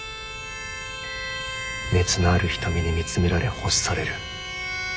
熱のある瞳に見つめられ欲される。